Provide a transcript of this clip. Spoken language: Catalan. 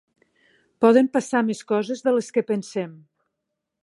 Poden passar més coses de les que pensem.